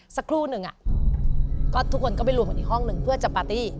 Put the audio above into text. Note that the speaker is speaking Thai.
สักครู่หนึ่งก็ทุกคนก็ไปรวมกันอีกห้องหนึ่งเพื่อจะปาร์ตี้